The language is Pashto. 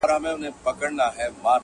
تر پاچا پوري عرض نه سو رسېدلای!